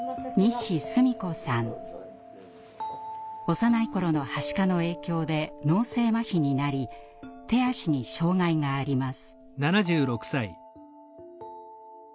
幼い頃のはしかの影響で脳性まひになり手足に障害があります。